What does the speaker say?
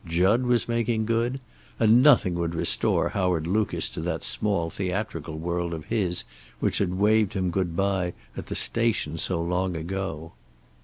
Jud was making good. And nothing would restore Howard Lucas to that small theatrical world of his which had waved him good bye at the station so long ago.